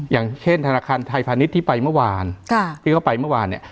อย่างเช่นธนาคารไทยฟาณิชย์ที่ไปเมื่อวาน